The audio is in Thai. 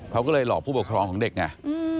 เขาก็เลยหลอกผู้ปกครองของเด็กไง